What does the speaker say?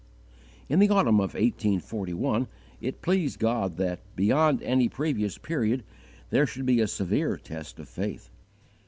In the autumn of 1841 it pleased God that, beyond any previous period, there should be a severe test of faith.